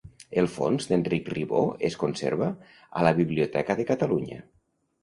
El fons d'Enric Ribó es conserva a la Biblioteca de Catalunya.